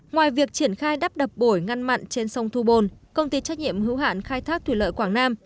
ngoài việc triển khai đắp đập bổi ngăn mặn trên sông thu bồn công ty trách nhiệm hữu hạn khai thác thủy lợi quảng nam